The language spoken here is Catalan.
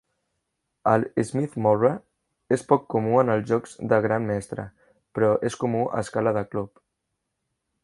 El Smith-Morra és poc comú en els jocs de gran mestre, però és comú a escala de club.